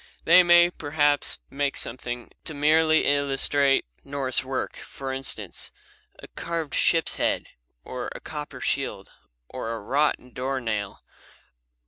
They may, perhaps, make something to merely illustrate Norse work; for instance, a carved ship's head, or a copper shield, or a wrought door nail.